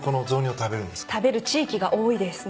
食べる地域が多いですね。